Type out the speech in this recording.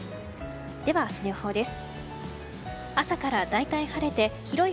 では、明日の予報です。